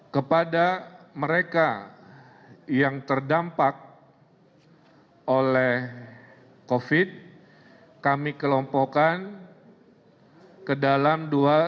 kepada mereka yang terdampak oleh covid sembilan belas kami kelompokkan ke dalam dua golongan